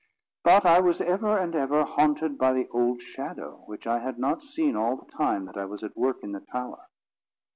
But I was ever and ever haunted by the old shadow, which I had not seen all the time that I was at work in the tower.